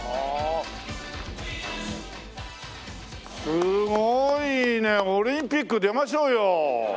すごいねオリンピック出ましょうよ。